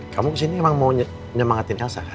kamu kesini emang mau nyemangatin elsa